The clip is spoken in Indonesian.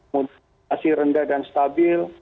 mudah asli rendah dan stabil